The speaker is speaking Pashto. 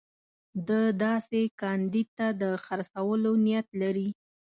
ده داسې کاندید ته د خرڅولو نیت لري.